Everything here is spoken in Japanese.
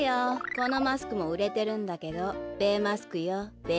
このマスクもうれてるんだけどべマスクよべ。